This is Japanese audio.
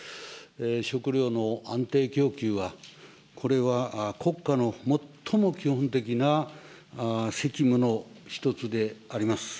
食料の安定供給は、これは国家の最も基本的な責務の一つであります。